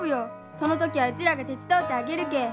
その時はうちらが手伝うてあげるけえ。